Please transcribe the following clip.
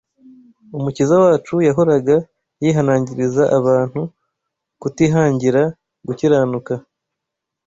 Umukiza wacu yahoraga yihanangiriza abantu kutihangira gukiranuka